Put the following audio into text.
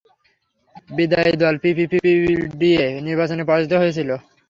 বিদায়ী দল পিপিপি/পিডিএ নির্বাচনে পরাজিত হয়েছিল।